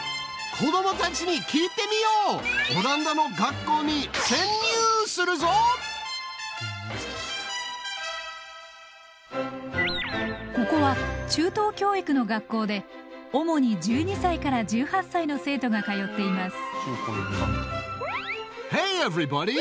オランダの学校にここは中等教育の学校で主に１２歳から１８歳の生徒が通っています。